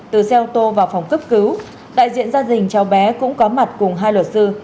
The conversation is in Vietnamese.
từ xe ô tô vào phòng cấp cứu đại diện gia đình cháu bé cũng có mặt cùng hai luật sư